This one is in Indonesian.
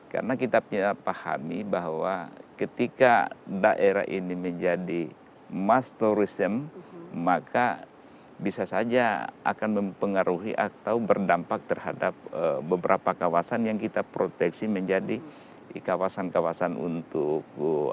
karena kita pahami bahwa ketika daerah ini menjadi mass tourism maka bisa saja akan mempengaruhi atau berdampak terhadap beberapa kawasan yang kita proteksi menjadi kawasan kawasan untuk dijaga kawasan